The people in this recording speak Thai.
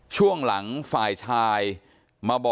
ไม่ตั้งใจครับ